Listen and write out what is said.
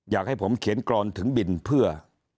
อยากให้ผมเขียนกรอนถึงบินเพื่อ